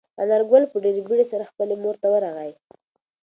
انارګل په ډېرې بیړې سره خپلې مور ته ورغی.